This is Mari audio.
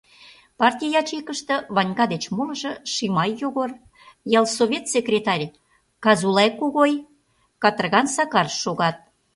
Партий ячейкыште Ванька деч молыжо — Шимай Йогор, ялсовет секретарь Казулай Когой, Катырган Сакар шогат.